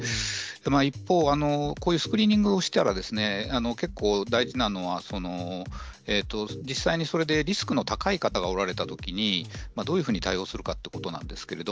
一方、こういうスクリーニングをしたら結構、大事なのは実際にそれでリスクの高い方がおられたときにどういうふうに対応するかということなんです。